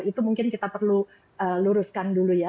itu mungkin kita perlu luruskan dulu ya